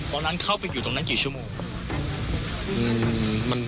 ตอนนั้นเข้าไปอยู่ตรงนั้นกี่ชั่วโมง